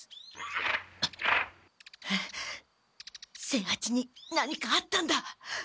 清八に何かあったんだ！